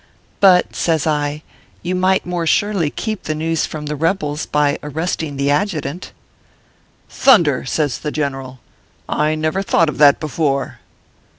"But," says I, "you might more surely keep the news from the rebels by arresting the adjutant." " Thunder !" says the general, " I never thought of that before."